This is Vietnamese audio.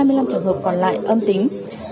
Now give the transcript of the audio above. hai mươi năm trường hợp còn lại âm tính